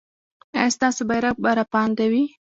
ایا ستاسو بیرغ به رپانده وي؟